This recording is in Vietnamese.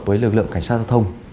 với lực lượng cảnh sát giao thông